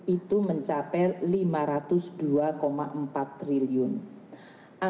itu mencapai rp lima ratus dua empat triliun